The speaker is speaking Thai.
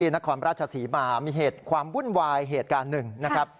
นครราชศรีมามีเหตุความวุ่นวายเหตุการณ์หนึ่งนะครับ